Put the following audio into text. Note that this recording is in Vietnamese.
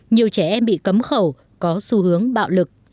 nhiều trẻ em bị cấm khẩu có xu hướng bạo lực